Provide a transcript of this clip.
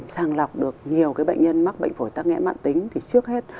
sàng lọc được nhiều cái bệnh nhân mắc bệnh phổi tắc nghẽn mạng tính thì trước hết